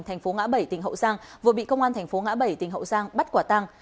tp ngã bảy tỉnh hậu giang vừa bị công an tp ngã bảy tỉnh hậu giang bắt quả tăng